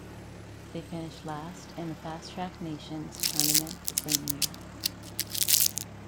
They finished last in the fast-track nations tournament the same year.